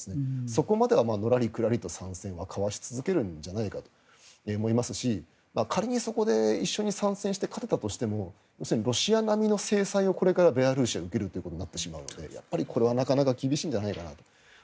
そこまではのらりくらりと参戦はかわし続けるんじゃないかと思いますし仮にそこで一緒に参戦して勝てたとしてもロシア並みの制裁をこれからベラルーシは受けることになるのでやっぱり、これはなかなか厳しいんじゃないかなと。